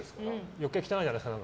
余計汚いじゃないですか。